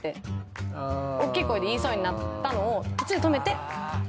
おっきい声で言いそうになったのを途中で止めて。